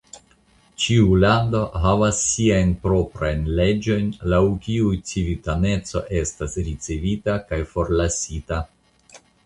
Ĉiu lando havas siajn proprajn leĝojn laŭ kiuj civitaneco estas ricevita kaj forlasita.